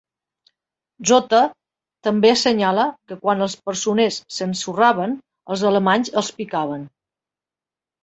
Zotta també assenyala que quan els presoners s'ensorraven, els alemanys els picaven.